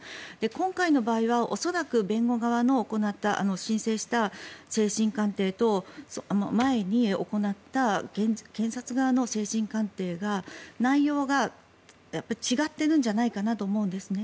今回の場合は恐らく弁護側の申請した精神鑑定と前に行った検察側の精神鑑定が内容が違ってるんじゃないかなと思うんですね。